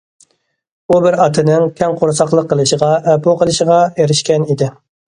ئۇ بىر ئاتىنىڭ كەڭ قورساقلىق قىلىشىغا، ئەپۇ قىلىشىغا ئېرىشكەن ئىدى.